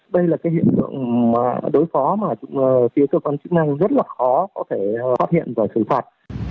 đây là hiện đối phó mà phía cơ quan chức năng rất là khó có thể phát hiện và xử phạt